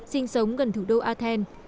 sinh sống gần thủ đô á